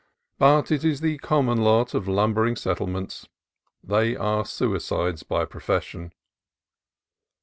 But it is the common lot of lumbering settlements; they are suicides by profession.